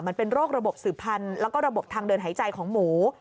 มันเป็นโรคระบบสืบพันธุ์แล้วก็ระบบทางเดินหายใจของหมู